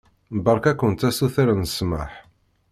Beṛka-kent asuter n ssmaḥ.